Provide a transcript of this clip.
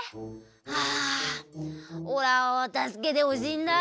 はあおらをたすけてほしいんだ。